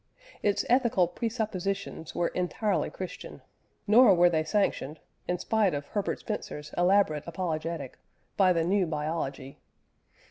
Its ethical presuppositions were entirely Christian, nor were they sanctioned (in spite of Herbert Spencer's elaborate apologetic) by the new biology.